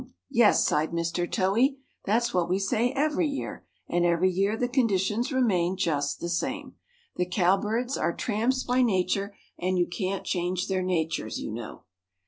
"H'm! yes," sighed Mr. Towhee, "that's what we say every year, and every year the conditions remain just the same. The cowbirds are tramps by nature, and you can't change their natures, you know."